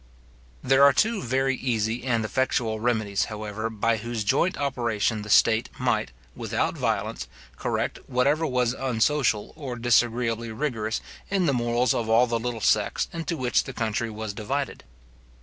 There are two very easy and effectual remedies, however, by whose joint operation the state might, without violence, correct whatever was unsocial or disagreeably rigorous in the morals of all the little sects into which the country was divided.